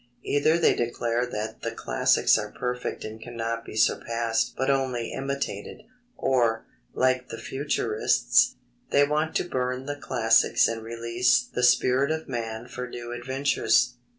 Either they declare that the classics are perfect and cannot be surpassed but only imitated; or, like the Futurists, they want to burn the classics and release the spirit of man for new adventures.